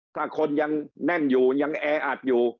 ถ้าคนยังแน่นอยู่ยังแออัดอยู่